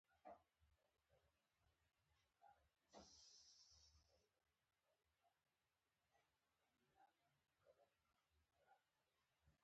رومیان له سنګینیو خالي دي